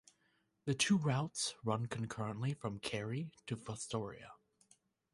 The two routes run concurrently from Carey to Fostoria.